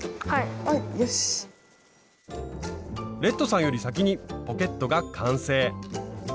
レッドさんより先にポケットが完成。